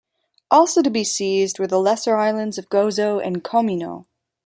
Also to be seized were the lesser islands of Gozo and Comino.